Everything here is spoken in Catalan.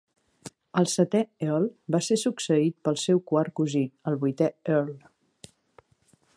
El setè Earl va ser succeït pel seu quart cosí, el vuitè Earl.